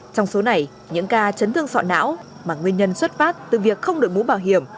trong số này những ca chấn thương sọ não mà nguyên nhân xuất phát từ việc không đổi mũ bảo hiểm